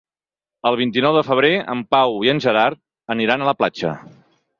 El vint-i-nou de febrer en Pau i en Gerard aniran a la platja.